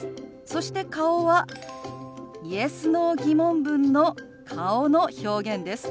そして顔はＹｅｓ／Ｎｏ−疑問文の顔の表現です。